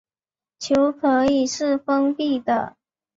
球可以是封闭的。